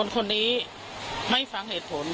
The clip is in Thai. คนนี้ไม่ฟังเหตุผล